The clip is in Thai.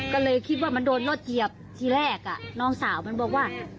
ก็เลยคิดว่ามันโดนรถเหยียบทีแรกน้องสาวมันบอกว่า